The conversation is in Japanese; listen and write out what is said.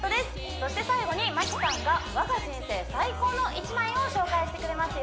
そして最後に麻希さんが我が人生最高の一枚を紹介してくれますよ